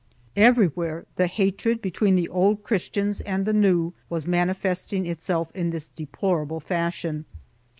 3 Everywhere the hatred between the Old Christians and the New was manifesting itself in this deplorable fashion.